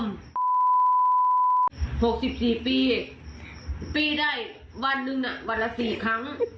๖๔ปีปีได้วันหนึ่งวันละ๔ครั้ง